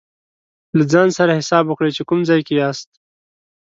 له ځان سره حساب وکړئ چې کوم ځای کې یاست.